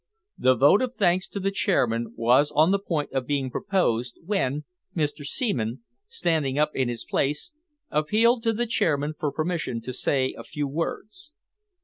The vote of thanks to the chairman was on the point of being proposed when Mr. Seaman, standing up in his place, appealed to the chairman for permission to say a few words.